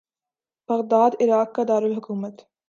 Baghdad Iraq کا دار الحکومت